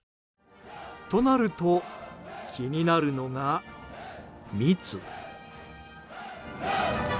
となると、気になるのが密。